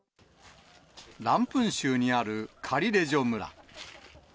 ランプン州にあるカリレジョ村。